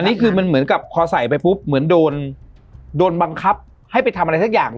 นี่คือมันเหมือนกับพอใส่ไปปุ๊บเหมือนโดนบังคับให้ไปทำอะไรสักอย่าง